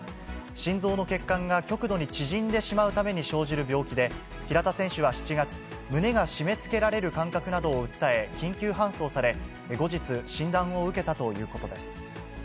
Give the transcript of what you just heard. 心臓の血管が極度に縮んでしまうために生じる病気で、平田選手は７月、胸が締めつけられる感覚などを訴え、緊急搬送され、後日、診断を受けたということです。